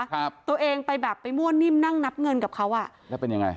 ครับตัวเองไปแบบไปมั่วนิ่มนั่งนับเงินกับเขาอ่ะแล้วเป็นยังไง